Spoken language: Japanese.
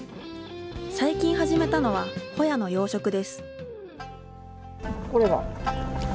最近始めたのはホヤの養殖です。